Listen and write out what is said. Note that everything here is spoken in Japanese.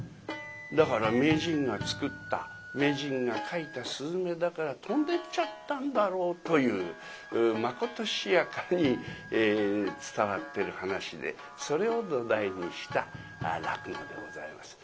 だから名人が作った名人が描いた雀だから飛んでっちゃったんだろうというまことしやかに伝わってる噺でそれを土台にした落語でございます。